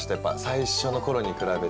最初の頃に比べて。